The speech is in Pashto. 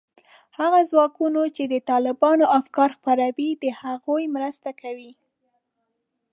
هغه ځواکونو چې د طالبانو افکار خپروي، د هغوی مرسته کوي